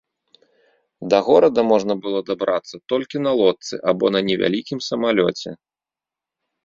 Да горада можна было дабрацца толькі на лодцы або на невялікім самалёце.